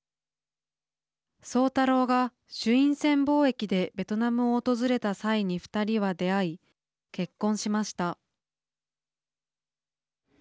宗太郎が朱印船貿易でベトナムを訪れた際に２人は出会い結婚しました。